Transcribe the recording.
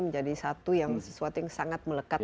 menjadi satu yang sesuatu yang sangat melekat